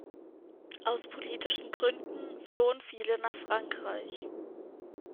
Aus politischen Gründen flohen viele nach Frankreich.